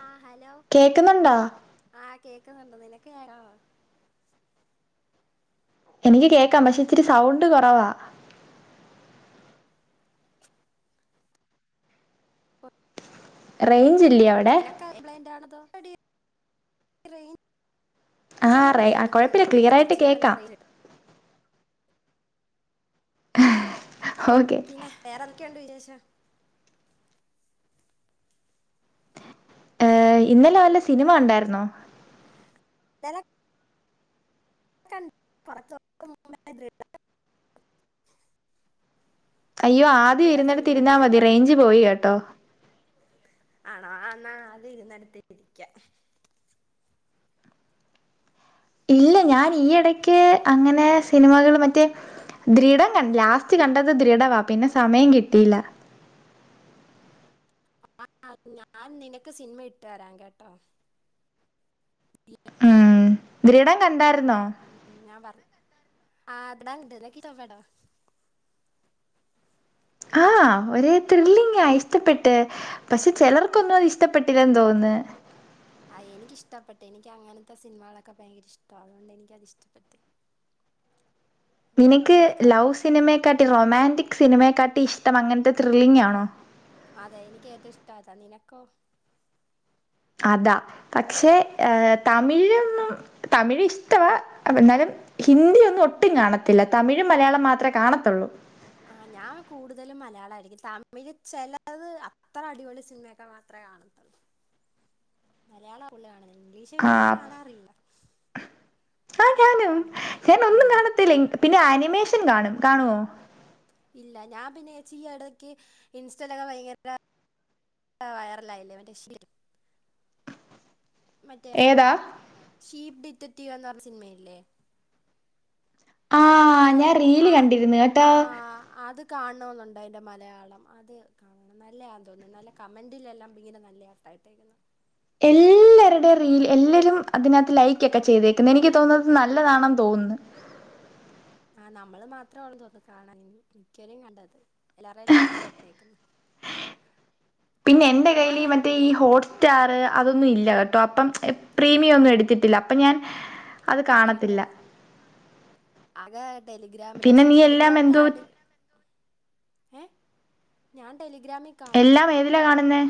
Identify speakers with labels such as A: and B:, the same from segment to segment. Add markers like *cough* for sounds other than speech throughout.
A: ആഹ് hello
B: കേക്കുന്നുണ്ടോ
A: കേക്ക്ന്നുണ്ടോ ആഹ് കേക്ക്ന്ന്ണ്ട്, നിനക്ക് കേക്കാവോ
B: എനിക്ക് കേക്കാം പക്ഷെ ഇച്ചിരി സൗണ്ട് കൊറവാ, റെയ്ഞ്ച് ഇ
A: ഇല്ല നിനക്കാ കംപ്ലൈന്റ് ആണതോ, എടി റെയ്
B: ആ റേ ആ
A: ഞ്ചൊള്ളയിടത്താഇരിക്ക്ന്ന്
B: കുഴപ്പമില്ല
A: നിക്ക്
B: ക്ലിയർ
A: ഇപ്പം കേ
B: ആയിട്ട്
A: ഇച്ചിരികൂടെ നല്ല
B: കേക്കാം
A: റെയ്ഞ്ച്
B: ഇഹ് ഓക്കെ
A: വേറെന്തെക്കെയുണ്ട് വിശേഷം
B: എഹ് ഇന്നലെ വല്ല സിനിമ കണ്ടാര്ന്നോ
A: ന്നലെ ക പുറത്ത ദ *unintelligible*
B: അയ്യോ ആദ്യം ഇരുന്നിടത്ത് ഇരുന്നാ മതി റെയ്ഞ്ച് പോയി കെട്ടോ,
A: ആണോ എന്ന ആദ്യം ഇരുന്നെടെത്ത് ഇരിക്ക്യ
B: ഇല്ല ഞാൻ ഈ ഇടയ്ക്ക് അങ്ങനെ സിനിമകള് മറ്റേ, ദൃഢം കൺ ലാസ്റ്റ് കണ്ടത് ദൃഢവാ പിന്നെ സമയം കിട്ടിയില്ല,
A: ആഹ് ഞാൻ നിനക്ക് സിനിമ ഇട്ട് തരാം കെട്ടോ, *unintelligible*
B: ഉം ദൃഡം കണ്ടാര്ന്നോ
A: ഉം, ഞാൻ പർ ദൃഡം കണ്ടാര്ന്നോ ആഹ് ഞാൻ കണ്ട് കലക്കി ട്ടോ പടം
B: ആഹ് ഒരേ ത്രില്ലിങ്ങാ ഇഷ്ട്ടപ്പെട്ട് പക്ഷെ ചെലർക്കൊന്നും അത് ഇഷ്ട്ടപ്പെട്ടില്ലെന്ന് തോന്ന്ന്ന്
A: ആഹ് എനിക്കിഷ്ട്ടപ്പെട്ട് എനിക്ക് അങ്ങനത്തെ സിനിമളൊക്കെ ഭയങ്കര ഇഷ്ട്ടവാ അതുകൊണ്ട് എനിക്കത് ഇഷ്ട്ടപ്പെട്ട്.
B: നിനക്ക് ലൗ സിനിമയെക്കാട്ടി റൊമാൻറിക് സിനിമയെക്കാട്ടി ഇഷ്ട്ടം അങ്ങനത്തെ ത്രില്ലിംഗ് ആണോ
A: അതെ എനിക്ക് ഏറ്റവും ഇഷ്ട്ടം അതാ നിനക്കോ
B: അതാ പക്ഷേ ഏഹ് തമിഴൊന്നും തമിഴ് ഇഷ്ട്ടവാ. അപ്പ എന്നാലും
A: ഉം.
B: ഹിന്ദി ഒന്നും ഒട്ടും കാണത്തില്ല തമിഴും മലയാളം മാത്രെ കാണത്തൊള്ളു.
A: ആഹ് ഞാൻ കൂടുതലും മലയാളായിരിക്കും തമിഴ് ചെലത് അത്ര അടിപൊളി സിനിമയൊക്കെ മാ ത്രേ കാണും മലയാള ഫുള്ള് കാണുന്ന ഇംഗ്ലീഷ്
B: ആ
A: നന്നെ കാണാറില്ല.
B: ആഹ് ഞാനും ഞാൻ ഒന്നും
A: ഉം.
B: കാണത്തില്ല പിന്നെ ആനിമേഷൻ കാണും. കാണുവോ?
A: ഇല്ല. ഞാൻ പിന്നെ ച്ചി ഈ എടയ്ക്ക് ഇൻസ്റ്റലൊക്കെ ഭയങ്കര. വയറലായില്ലേ വന്റെഷി മറ്റേ ആ
B: ഏതാ
A: സിനിമതി, ഏതാ? ഷീപ്പ് ഡിറ്റക്റ്റീവ് എന്ന പറഞ്ഞ സിനിമയില്ലേ?
B: ആ
A: മറ്റേ കുറേ
B: ഞാൻ റീല്
A: ആഹ്
B: കണ്ടിരുന്നു കേട്ടോ
A: ആഹ് അത്. കാണന്നുണ്ടായ്ൻ്റെ മലയാളം അത്. നല്ലയാ തോന്നുന്നു നല്ല കമന്റില്ലല്ലോ അബിഗിന് നല്ലയാ ടൈപ്പേയിനു.
B: ഇല്ല. രുടെ റീൽ എല്ലരും അതിനകത്ത് ലൈക്ക് ഒക്കെ ചെയ്തേക്കുന്നു എനിക്ക് തോന്നുന്നത് നല്ലതാണ തോന്നുന്നു.
A: ആഹ് നമ്മള് മാത്രൊള്ളു തോന്നുന്നു കാണാൻ ഇനി മിക്കരും കണ്ടത് എല്ലാരെയും ലൈക്ക് കണ്ടേക്ക്ണ്.
B: പിന്നെ എന്റെ കയ്യിൽ
A: ഞാന്
B: മറ്റേ ഈ ഹോട്ട്സ്റ്റാർ അതൊന്നും ഇല്ല. *unintelligible* എ പ്രീമിയം ഒന്നും എടുത്തിട്ടില്ല അപ്പൊ ഞാൻ അത്
A: എനിക്കില്ല
B: കാണത്തില്ല.
A: ആകെ ടെലിഗ്രാമില്
B: പിന്നെ
A: പക്ഷെ
B: നീ എല്ലാം
A: ടെലിഗ്രാമിൽ
B: എന്തോ
A: ആട് ഏഹ്. ഞാൻ ടെലിഗ്രാമിൽ.
B: എല്ലാം ഏതിലാ കാണുന്നെ.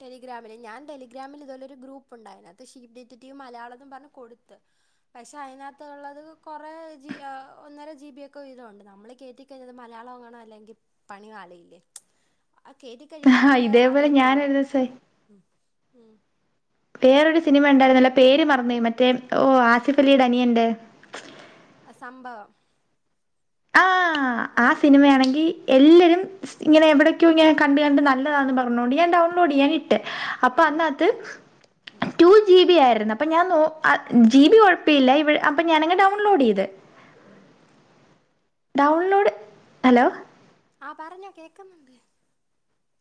A: ടെലിഗ്രാമില് ഞാൻ ടെലിഗ്രാമിൽ ഇതുപോല ഒരു ഗ്രൂപ്പുണ്ടായിരുന്നു അത് ഷീ ഡിറ്റക്റ്റീവ് മലയാളതും പറഞ്ഞ് കൊടുത്ത്. പക്ഷെ അയ്നകത്തുള്ളത് കൊറേ ജി അ ഒന്നര ജി ബി ഒക്കെ വിതോണ്ട് നമ്മൾ കേറ്റി. ക്കെയ്തത് മലയാളം എങ്ങണോ അല്ലെങ്കി പണി ആളില്ലേ? അത് കേറ്റി
B: ആ
A: കയ്യുമ്പോല്ലേ
B: ഇതേപോലെ ഞാൻ
A: അറിയത്തൊള്ളു
B: ഒരു ദിവസേ
A: ആഹ് ആഹ്.
B: വേറൊരു സിനിമ ഉണ്ടായിരുന്നല്ലോ പേര് മറന്നോയി മറ്റേ ഓഹ് ആസിഫ് അലിയുടെ അനിയന്റെ.
A: അസംഭവം.
B: ആഹ് ആഹ് സിനിമയാണെങ്കി. എല്ലരും ഇങ്ങനെ എവിടേക്കോ ഇങ്ങനെ കണ്ട് കണ്ട് നല്ലതാന്ന് പറഞ്ഞോണ്ട് ഞാൻ ഡൗൺലോഡ് യ്യാനിട്ട്. അപ്പൊ
A: ഉം
B: അന്നകത്ത്
A: ഉം
B: ടു ജി ബി ആയിരുന്നു അപ്പൊ ഞാൻ നോ അ. ജി ബി കൊഴപ്യല്ല ഇവി അപ്പോ ഞാനങ് ഡൗൺലോഡ് ചെയ്ത്.
A: ആഹ്.
B: Download hello.
A: ആഹ് പറഞ്ഞോ കേൾക്കുന്നുണ്ട്.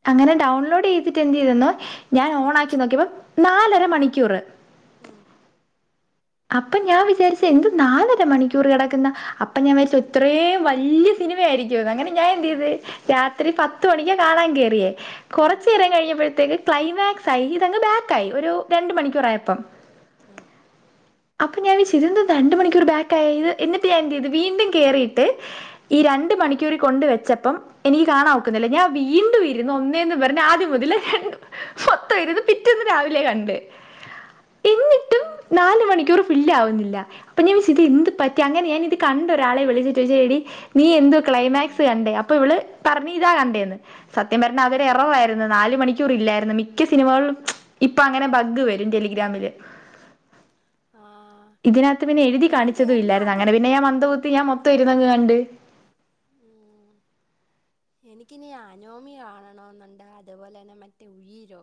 B: അങ്ങനെ ഡൗൺലോഡ് ചെയ്തിട്ട് എന്ത് ചെയ്തെന്നോ ഞാൻ
A: ഉം
B: ഓൺ ആക്കി നോക്കിയപ്പോ നാലര മണിക്കൂറ്.
A: ആഹ്.
B: അപ്പൊ ഞാൻ വിചാരിച്ച് എന്ത് നാലര മണിക്കൂർ കെടക്കുന്ന അപ്പ ഞാൻ വെരിച്ചു
A: ഉം
B: ഇത്രേ വലിയ. ഇനി പേടിക്കോന്ന് അങ്ങനെ ഞാൻ
A: ഉം ഉം ഉം ഉം ഉം ഉം
B: എന്തേത് രാത്രി പത്ത് മണിക്ക് കാണാൻ കേറിയേ. കൊറച് നേരം കഴിഞ്ഞപ്പോഴത്തേക്ക് ക്ലൈമാക്സായി ഇതങ്ങ് ബാക്കായി ഒരു രണ്ട് മണിക്കൂറായപ്പം.
A: ഉം
B: അപ്പൊ ഞാൻ വിച്ചു ഇതെന്തോ രണ്ട് മണിക്കൂർ ബാക്കായ് ത് എന്നിട്ട് എന്തേ ത് വീണ്ടും കേയറിയിട്ട്. ഈ രണ്ട് മണിക്കൂർ കൊണ്ട് വെച്ചപ്പം എനിക്ക് കാണാ ഒക്കുന്നില്ല ഞാൻ. വീണ്ടും ഇരുന്നു ഒന്നേന്ന് വരഞ് ആദ്യം മുതൽ മൊത്തം ഇരുന്ന് പിറ്റന്ന് രാവിലെ കണ്ട്. എന്നിട്ടും നാല് മണിക്കൂർ ഫില്ല് ആവുന്നില്ല അപ്പൊ ഞാൻ വിച്ചു എന്ത് പ റ്റി അങ്ങനെ ഞാൻ ഇത് കണ്ട ഒരാളെ വിളിച്ച് ചോയ്ച്ച് എടി നീ എന്തോ ക്ലൈമാക്സ് കണ്ടേ? അപ്പോഇവള് പറഞ്ഞഞ് ഇതാ കണ്ടേന്ന്. സത്യം പറഞ്ഞ
A: ഉം
B: അവരെ
A: ഉം ഉം
B: എറവായിരുന്നു നാല് മണിക്കൂർ ഇല്ലായിരുന്നു മിക്ക സിനിമകളും ഇപ്പൊ അങ്ങനെ ബഗ് വരും ടെലിഗ്രാമില്
A: ആഹ്
B: ഇതിനകത്ത് പിന്നെ എഴുതി
A: ഞാൻ
B: കാണിച്ചതും
A: കേറുന്ന
B: ഇല്ലായിരുന്നു
A: അത്
B: അങ്ങനെ പിന്നെ മന്ദബുദ്ധി ഞാൻ മൊത്തംരുന്നങ്ങ് കണ്ട്
A: ഉം
B: *unintelligible*
A: എനിക്കിനി അനോമി കാണണെന്നുണ്ട് അതുപോലെ തന്നെ മറ്റേ ഉഴീലോ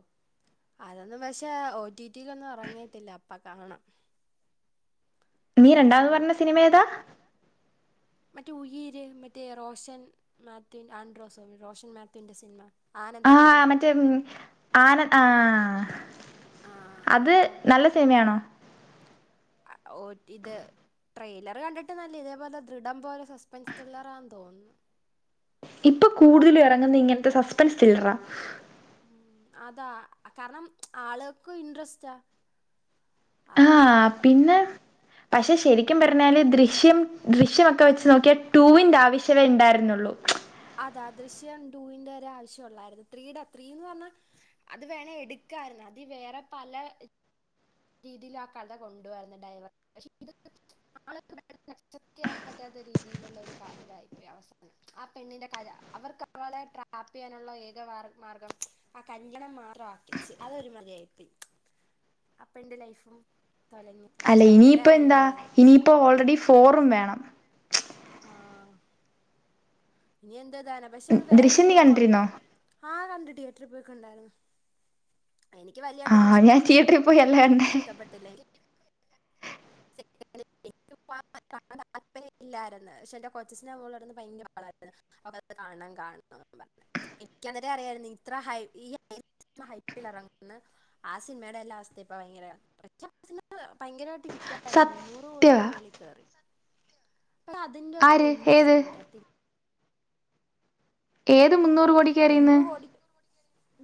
A: അതൊന്നും പക്ഷേ ഓറ്റിറ്റി ൽന്നും എറങ്ങീടില്ല അപ്പ കാണാം
B: നീ രണ്ടാമത്പറഞ്ഞ സിനിമ ഏതാ
A: മറ്റേ ഉയിര് മറ്റേ റോഷൻ മാത്യു ആൻഡ്രോസോ റോഷൻ മാത്യുന്റെ സിനിമ
B: ആഹ്
A: ആനന്ദത്തിലെ
B: മറ്റേ ആന ആഹ്
A: ആഹ് അപ്പ
B: നല്ല സിനിമയാണോ
A: ആഹ് ഓ റ്റി ഇത് ട്രെയിലർ കണ്ടിട് നല്ല ഇതേപോലെ ദൃഢം പോലെ സസ്പെൻസ് ട്രില്ലറാന്ന് തോന്നുന്നു
B: ഇപ്പൊ കൂടുതലും ഇറങ്ങുന്ന ഇങ്ങനത്തെ സസ്പെൻസ് തില്ലറാ
A: ഉം അതാ കാരണം ആളുകൾക്കും ഇൻട്രസ്റ്റാ അതുകൊണ്ട്
B: ആഹ് പിന്നെ പക്ഷെ ശരിക്കും പറഞ്ഞാല് ദൃശ്യം ദൃശ്യമൊക്കെ വെച്ച് നോക്കിയാൽ ടുവിന്റെ ആവശ്യമേ ഉണ്ടായിരുന്നുള്ളു
A: അതാ ദൃശ്യം ടുവിന്റെ ഒരെ ആവശ്യംവുള്ളായിരുന്നു ത്രീയുടെ ത്രീന്ന് പറഞ്ഞാൽ അത് വേണ എടുക്കായിരുന്നു അത് വേറെ പല രീതിയിൽ ആ കഥ കൊണ്ടു വാരുന്ന ഡയറ പക്ഷെ ഇ ആള അസെപ്റ്റ് ചെയ്യാൻ *unintelligible* പറ്റാത്ത രീതിയിലുള്ള ഒരു ഇതായിപ്പോ അവസാനം ആ പെണ്ണിന്റെ കഥ അവർക്ക് അവളെ ട്രാപ്പ് ചെയ്യാനുള്ള ഏക മാർഗം ആ കല്യാണം വരെ എത്തിച്ച് അതൊരു ഒരുമാതിരി ആയി പോയി അ പെണ്ണിന്റെ ലൈഫും തൊലഞ്ഞു ആ
B: അല്ല
A: ചെറുക്കന്റെ
B: ഇനിയിപ്പ
A: കാര്യം
B: എന്താ
A: ഇതായിരുന്നു
B: ഇനിയിപ്പോ ഓൾറെഡി ഫോറും വേണം
A: ആഹ് ഇനി എന്തതാന പക്ഷെ അത് വേറെ
B: ദൃശ്യം നീ
A: രീതിയിൽക്കെ
B: കണ്ടിരുന്നോ
A: ഉണ്ടായിരുന്നു ആഹ് കണ്ട് തിയേറ്ററി പോയിക ണ്ടായിരുന്നു
B: ആഹ് ഞാൻ തിയേറ്ററിൽ പോയിയല്ല കണ്ടേ
A: പട്ടല്ലേ *unintelligible*
B: *unintelligible*
A: അ താല്പര്യ ഇല്ലായിരുന്നു പക്ഷെ എൻ്റെ കൊച്ചച്ചന്റെ മോളായിന്ന് ഭയങ്കര ബഹളമായിരുന്നു അപ്പോൾ അത് കാണണം കാണണംന്ന് പറഞ്ഞ് എനിക്കന്നരം അറിയായിരുന്നു ഇത്ര ഹൈ ഹൈപ്പിൽ ഇറങ്ങന്ന് ആ സിനിമേട ലാസ്റ്റ് ഇപ്പാ ഭയങ്കരം പക്ഷേ ആ സിനിമ ഭയങ്കരമായിട്ട് ഹിറ്റായല്ലോ മുന്നൂറ്
B: സത്യവാ
A: കോടിയുടെ മേളി കേറി സത്യം അപ്പ അതിന്റെ ഒക്കെ
B: ആര്
A: ഒന്നും ആ
B: ഏത്
A: സിനിമക്കകത്തി
B: ഏത് മുന്നൂറ് കോടിക്കറിയുന്ന്
A: മുന്നൂറ് കോടി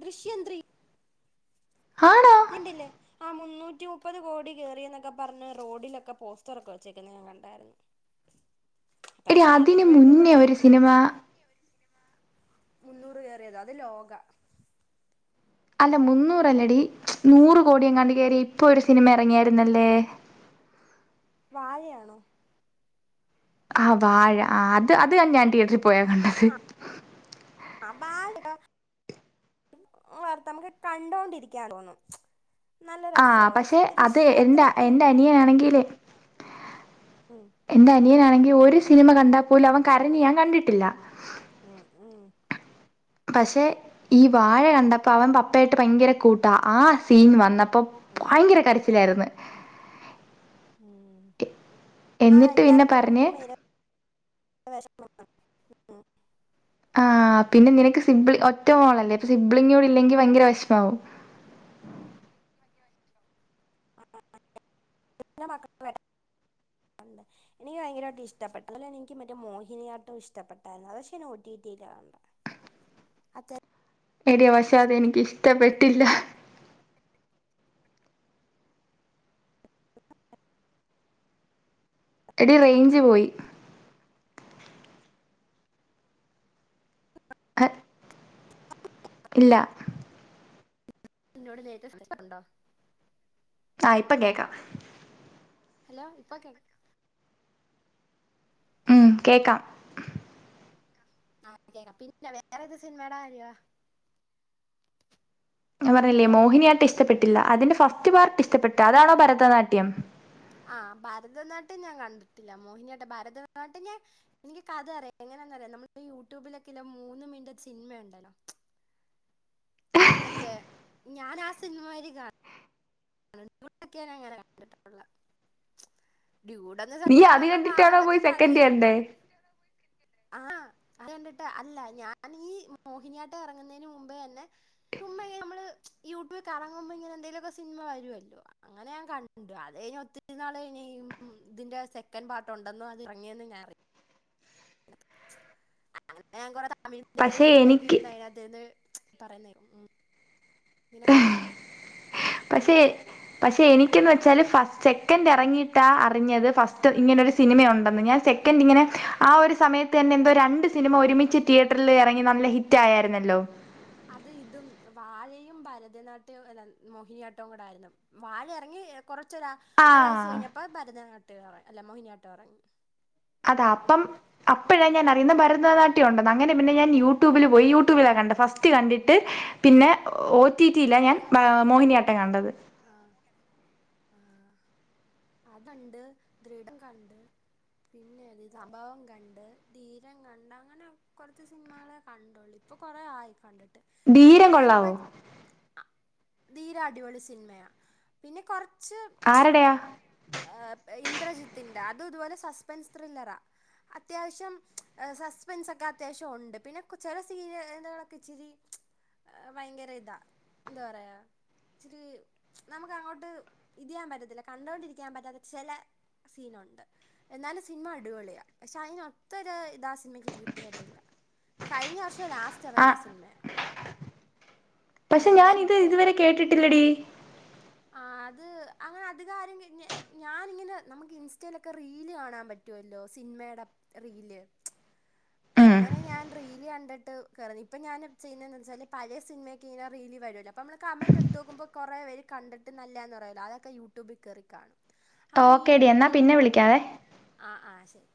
A: ദൃശ്യം ത്രീ
B: ആണോ
A: നീകണ്ടില്ലേ ആ മുന്നൂറ്റി മുപ്പത് കോടി കയറിയ എന്നൊക്കെ പറഞ്ഞ് റോഡിലൊക്കെ പോസ്റ്ററൊക്കെ വെച്ചേക്കുന്ന ഞാൻ കണ്ടായിരുന്നു
B: എടി
A: പക്ഷെ
B: അതിന് മുന്നേ
A: വേണ്ടിയിട്ടൊന്നും
B: ഒരു
A: ഇല്ല
B: സിനിമ
A: മുന്നൂറ് കയറിയത അത് ലോക
B: അല്ല മുന്നൂറല്ലടി നൂറ് കോടി എങ്ങാണ്ട് കയറി ഇപ്പൊ ഒരു സിനിമ ഇറങ്ങിയായിരുന്നല്ലേ
A: വാഴയാണോ
B: ആ വാഴ ആ അത് അത് ഞാ ഞാൻ തിയേറ്ററിൽ പോയാ കണ്ടത്
A: ആ ബാഴ വർ നമുക്ക് കണ്ടോണ്ടിരിക്കാൻ തോന്നും നല്ല
B: ആ
A: രസമാണ്
B: പക്ഷെ അത്
A: ദൃശ്യം
B: എന്റെ
A: അത്രയ്ക്ക്
B: എന്റെ അനിയനാണെങ്കിലെ
A: ഉം
B: എന്റെ അനിയനാണെങ്കി ഒരു സിനിമ കണ്ടാൽ പോലും അവൻ കരഞ്ഞ് ഞാൻ കണ്ടിട്ടില്ല
A: ഉം ഉം
B: പക്ഷെ ഈ വാഴ കണ്ടപ്പോ അവൻ പപ്പായിട്ട് ഭയങ്കര കൂട്ട ആ സീൻ വന്നപ്പോ
A: ഉം
B: ഭയങ്കര കരച്ചിലായിരുന്ന്
A: ഉം
B: എ-
A: ആഹ്
B: എന്നിട്ട് പിന്നെ
A: അല്ലാർക്കും
B: പറഞ്ഞ്
A: എൻക്കും മെയ് *inaudible* ഉം
B: ആഹ് പിന്നെ നിനക്ക് സിബ്ലി ഒറ്റ മോളല്ലേ ഇപ്പൊ സിബ്ലിങ്ങൂടി ഇല്ലെങ്കിൽ ഭയങ്കര വെഷമാവും. *inaudible*
A: *inaudible* എനിക്ക് ഭയങ്കരമായിട്ട് ഇഷ്ടപെട്ട് അതുപോലെ എനിക്ക് മറ്റേ മോഹിനിയാട്ടവും ഇഷ്ടപെട്ടായിരുന്നു അത് പക്ഷെ ഞാ ഓട്ടിട്ടീല കണ്ടേ.
B: എടി പക്ഷെ അത് എനിക്കിഷ്ടപ്പെട്ടില്ല. എടി റേഞ്ച് പോയി. അ. ഇല്ല.
A: നിന്നോട് നേരത്തെ *unintelligible* ഒണ്ടോ.
B: ആഹ് ഇപ്പൊ കേക്കാം.
A: ഹലോ ഇപ്പോ കേക്കാം
B: ഉം കേക്കാം.
A: ആഹ് കേക്കാം പിന്നെ വേറെ ഏത് സിനിമേടെ കാര്യാ
B: ഞാൻ പറഞ്ഞില്ലേ
A: ഹലോ
B: മോഹിനിയാട്ടം ഇഷ്ടപ്പെട്ടില്ല അതിന്റെ ഫസ്റ്റ് പാട്ട് ഇഷ്ടപ്പെട്ട അതാണോ ഭരതനാട്യം.
A: ആഹ് ഭാരതനാട്യം ഞാൻ കണ്ടിട്ടില്ല മോഹിനിയാട്ടം ഭാരതനാട്യം ഞാൻ. എനിക്ക് കഥ അറിയാം. എങ്ങനെയാന്ന അറിയോ നമ്മള്പ്പ യൂട്യൂബിലൊക്കെല്ലോ മൂന്ന് മിനിറ്റ് സിനിമ ഉണ്ടല്ലോ. മറ്റേ ഞാൻ ആ സിനിമേൽ കാണ. *unintelligible* ക്കെ അങ്ങനെയാ കണ്ടിട്ടുള്ള ഡൂഡ്ന്ന
B: നീ
A: സത്യം
B: അത്
A: പറഞ്ഞാൽ
B: കണ്ടിട്ടാണോ പോയി
A: കാണാത്തക്ക
B: സെക്കൻഡ്
A: കഥയില്ല.
B: കണ്ടേ
A: ആഹ് അത് കണ്ടിട്ട് അല്ല ഞാനീ മോഹിനിയാട്ടം എറങ്ങുന്നേന് മുമ്പെന്നെ. തുമ്മ ഈ നമ്മള് യൂട്യൂബിൽ കറങ്ങുമ്പോ ഇങ്ങന എന്തേലൊക്കെ സിനിമ വരുവല്ലോ. അങ്ങനെ ഞാൻ കണ്ടു അത് കഴിഞ്ഞ് ഒത്തിരി നാള് കഴിഞ്ഞ് ഉം ഇതിന്റെ സെക്കൻ്റ് പാർട്ട് ഉണ്ടെന്നും പറ്ഞ്ഞ് ഇറങ്ങിയെന്ന് ഞാൻ അറിയ. അങ്ങനെ ഞാൻ കൊറേ തമിഴു തെലുങ്കും
B: പക്ഷെ
A: സിനിമയൊക്കെ
B: എനിക്ക്
A: ഇര്ന്ന് അതിനാത്ത്ന്ന് പറയുന്ന ഉം നിനക്ക്.
B: പക്ഷെ
A: എന്താടി
B: പക്ഷെ എനിക്കെന്ന് വെച്ചാല് ഫസ്റ്റ് സെക്കൻഡ് ഹാ. ഇറങ്ങിയിട്ടാ അറിഞ്ഞത് ഫസ്റ്റ് ഇങ്ങനൊര് സിനിമയുണ്ടെന്ന് ഞാൻ സെ. ക്കന്റ്
A: ഉം.
B: ഇങ്ങനെ ആ ഒരു സമയത്ത് തന്നെ എന്തോ രണ്ട് സിനിമ ഒരുമിച്ച് തിയേറ്ററിൽ എറങ്ങി നല്ല ഹിറ്റ് ആയാരുന്നല്ലോ.
A: അത് ഇതും വാഴയും ഭരതനാട്യവും അല്ല മോഹിനിയാട്ടവും കൂടെയായിരുന്നു. വാഴ എറങ്ങി കൊറച്ചൊരാ ഒരാഴ്ച
B: ആഹ്
A: കഴിഞ്ഞപ്പോ ഭരതനാട്ടി എറങ്ങി അല്ല മോഹിനിയാട്ടം എറങ്ങി.
B: അതാ അപ്പം അപ്പോഴാ ഞാൻ അറിയുന്ന ഭരതനാ. ട്ട്യം ഉണ്ടന്ന് അങ്ങനെ പിന്നെ ഞാൻ
A: ഉം.
B: യൂട്യൂബിൽ പോയി യൂട്യൂബില കണ്ടെ ഫസ്റ്റ് കണ്ടിട്ട് പിന്നെ ഒ ടി ടി ല ഞാൻ ആഹ് മോഹിനിയാട്ടം കണ്ടത്.
A: ആഹ് മോഹിനിയാട്ടം കണ്ടത് ആഹ്. അതൊണ്ട് ദൃടം കണ്ട്. പിന്നെ ഏത് സംഭവം കണ്ട് ധീരൻ കണ്ട് അങ്ങനെ. കൊറച്ച് സിനിമകളെ കണ്ടുള്ളൂ ഇപ്പൊ കൊറേ ആയി കണ്ടിട്ട്.
B: ധീരം
A: പിന്നെ
B: കൊള്ളാവോ
A: ഞാനിപ്പം ധീര അടിപൊളി സിനിമയാ പിന്നെ കൊറച്ച്.
B: ആരടെയാ.
A: ഏഹ് ഇന്ദ്രജിത്തിന്റെ അത് ഇതുപോലെ സസ്പെൻസ് ത്രില്ലറാ അത്യാവശ്യം സസ്പെൻസൊക്കെ അത്യാവശ്യം ഒണ്ട്. പിന്നെ ചെല സീനുകളൊക്കെ ഇച്ചിരി. ഭയങ്കര ഇതാ എന്താ പറയാ. ച്ചിരി നമുക്കങ്ങോട്ട് ഇതിയാൻ പറ്റത്തില്ല കണ്ടൊണ്ടിരിക്കാൻ പറ്റാത്ത ചെല. സീനൊണ്ട്. എന്നാലും സിനിമ അടിപൊളിയാ പക്ഷെ അയിനൊത്തൊരു ഇതാ സിനിമയ്ക്ക് കിട്ടിയിട്ടില്ല. കഴിഞ്ഞ വർഷം ലാസ്റ്റ്
B: ആ
A: എറങ്ങിയ സിനിമയാ.
B: പക്ഷെ
A: ധീരൻ
B: ഞാൻ ഇത്
A: ഇട്ടുതരാം
B: ഇതുവരെ കേട്ടിട്ടില്ലടി
A: ആഹ് അത് അങ്ങനെ അധികാരും *unintelligible* ഞാനിങ്ങനെ നമ്മക്ക് ഇൻസ്റ്റയിലൊക്കെ റീല് കാണാൻ പറ്റൊല്ലൊ സിൻമേടെ റീല്
B: ഉം
A: അങ്ങനെ ഞാൻ റീല് കണ്ടിട്ട് *unintelligible* ഇപ്പം ഞാന് ചെയ്യിന്നെന്ന് വെച്ചാല് പയേ സിൻമേക്കെ ഇങ്ങനെ റീലി വരോലോ ഇപ്പമ്മള് കമന്റെട്ത്ത് നോക്കുമ്ബോ കുറെ വരും കണ്ടിട്ട് നല്ലാന്ന് പറയൊലോ അതൊക്കെ യൂട്യൂബി കേറി കാണും അങ്ങനെ ഈ
B: ഓക്കേടി എന്നാ
A: അട്ത്ത്
B: പിന്നെ വിളിക്കാവേ
A: ആഹ് ആഹ് ശെരി